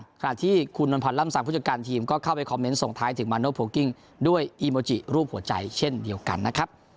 ขณะที่คุณนวลพันธ์ล่ำสังผู้จัดการทีมก็เข้าไปคอมเมนต์ส่งท้ายถึงมาโนโพลกิ้งด้วยอีโมจิรูปหัวใจเช่นเดียวกันนะครับ